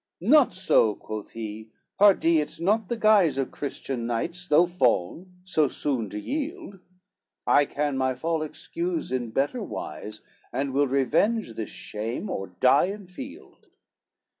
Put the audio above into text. XXXIII "Not so," quoth he, "pardy it's not the guise Of Christian knights, though fall'n, so soon to yield; I can my fall excuse in better wise, And will revenge this shame, or die in field."